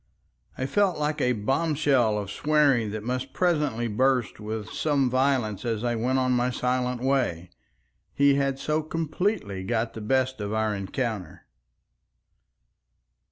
I felt like a bombshell of swearing that must presently burst with some violence as I went on my silent way. He had so completely got the best of our encounter.